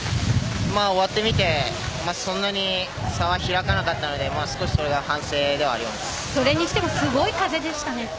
終わってみてそんなに差は開かなかったのでそれにしてもすごい風でしたね。